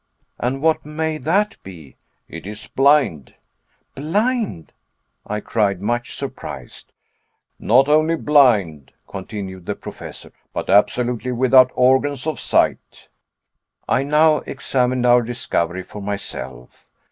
"And what may that be?" "It is blind." "Blind!" I cried, much surprised. "Not only blind," continued the Professor, "but absolutely without organs of sight." I now examined our discovery for myself.